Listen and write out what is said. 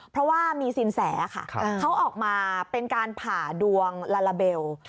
เพราะว่ามีสินแสค่ะเขาออกมาเป็นการผ่าดวงลาลาเบล